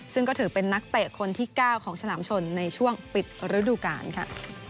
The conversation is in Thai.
ซึ่งก็ถือเป็นนักเตะคนที่๙ของฉลามชนในช่วงปิดฤดูกาลค่ะ